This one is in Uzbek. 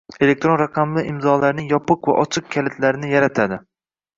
elektron raqamli imzolarning yopiq va ochiq kalitlarini yaratadi;